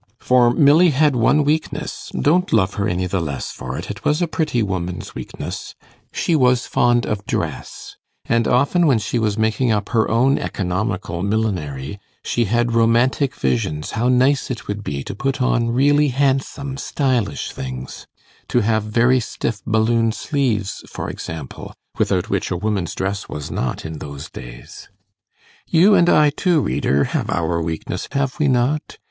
For Milly had one weakness don't love her any the less for it, it was a pretty woman's weakness she was fond of dress; and often, when she was making up her own economical millinery, she had romantic visions how nice it would be to put on really handsome stylish things to have very stiff balloon sleeves, for example, without which a woman's dress was nought in those days. You and I, too, reader, have our weakness, have we not?